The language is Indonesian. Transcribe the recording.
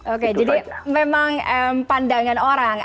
oke jadi memang pandangan orang